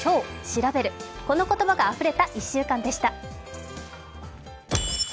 調べる、この言葉があふれた１週間でした。